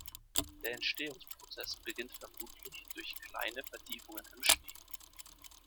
Der Entstehungsprozess beginnt vermutlich durch kleine Vertiefungen im Schnee.